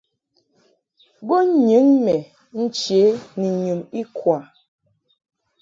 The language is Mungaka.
Bo nyɨŋ mɛ nche ni nyum ikwa.